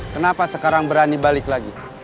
kenapa sekarang berani balik lagi